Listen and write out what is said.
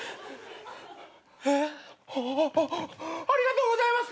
ありがとうございます！